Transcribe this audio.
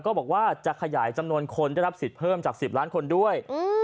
ก็บอกว่าจะขยายจำนวนคนได้รับสิทธิ์เพิ่มจาก๑๐ล้านคนด้วย